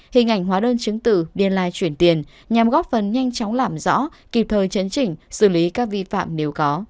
hình ảnh hóa đơn chứng từ biên lai chuyển tiền nhằm góp phần nhanh chóng làm rõ kịp thời chấn chỉnh xử lý các vi phạm nếu có